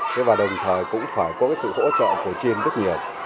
thế và đồng thời cũng phải có sự hỗ trợ của chiên rất nhiều